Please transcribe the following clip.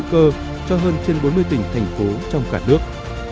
cơ cho hơn trên bốn mươi tỉnh thành phố trong cả nước